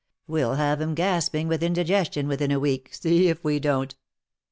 We'll have him gasping with indigestion within a week, see if we don't."